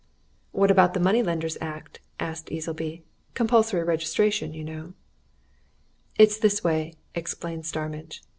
"What about the Moneylenders' Act?" asked Easleby. "Compulsory registration, you know." "It's this way," explained Starmidge.